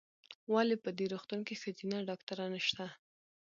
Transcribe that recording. ولې په دي روغتون کې ښځېنه ډاکټره نشته ؟